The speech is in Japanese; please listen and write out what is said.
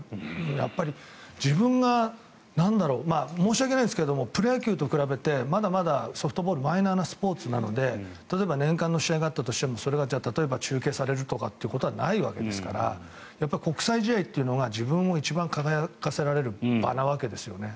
やっぱり、自分が申し訳ないですけどプロ野球と比べてまだまだソフトボールはマイナーなスポーツなので例えば年間の試合があったとしてもそれが中継されるということはないわけですからやっぱり国際試合というのが自分を一番輝かせられる場のわけですよね。